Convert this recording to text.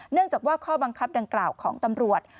เนื่องจากว่าข้อบังคับดังกล่าวของตำรวจ